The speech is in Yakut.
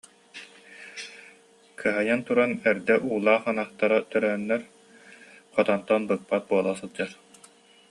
Кыһайан туран эрдэ уулаах ынахтара төрөөннөр, хотонтон быкпат буола сылдьар